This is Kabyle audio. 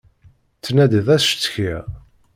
Ttnadiɣ ad cektiɣ.